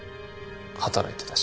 働いてたし。